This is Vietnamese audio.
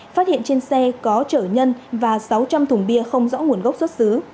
phát hiện trên xe có chở nhân và sáu trăm linh thùng bia không rõ nguồn gốc xuất xứ